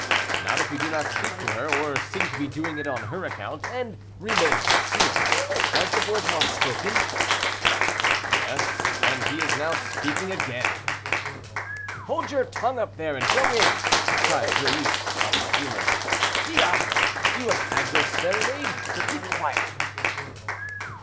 "Not if you do not speak to her, or seem to be doing it on her account, and remain concealed. Has the bourgeois spoken?" "Yes, and he is now speaking again." "Hold your tongue up there and go in," cried Joyeuse, out of humor. "Diable! you have had your serenade, so keep quiet."